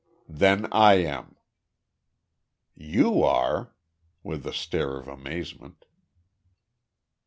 "Then I am." "You are?" with a stare of amazement.